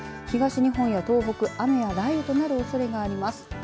東日本や東北、雨や雷雨となるおそれがあります。